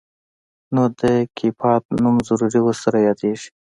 نو د کيپات نوم ضرور ورسره يادېږي.